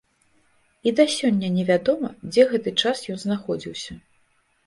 І да сёння невядома, дзе гэты час ён знаходзіўся.